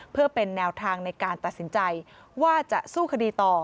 เพื่อเป็นแนวทางในการตัดสินใจว่าจะสู้คดีต่อ